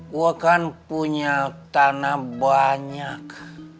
gue kan punya tanah banyak